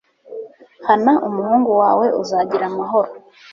Hana umuhungu wawe uzagira amahoro